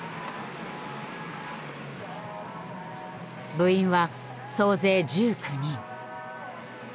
部員は総勢１９人。